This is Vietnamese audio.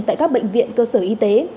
tại các bệnh viện cơ sở y tế